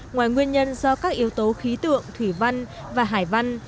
ngoài nguyên nhân do các yếu tố khí tượng thủy văn và hải văn